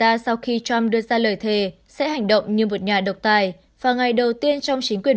ra khi trump đưa ra lời thề sẽ hành động như một nhà độc tài vào ngày đầu tiên trong chính quyền